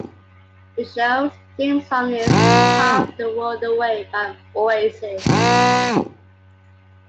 The show's theme song is "Half the World Away" by Oasis.